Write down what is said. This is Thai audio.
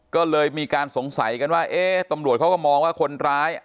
ก็เลยมีการสงสัยกันว่าเอ๊ะตำรวจเขาก็มองว่าคนร้าย